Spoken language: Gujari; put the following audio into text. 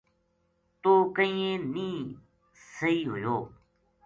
توہ کہنیے نیہہ سہی ہویو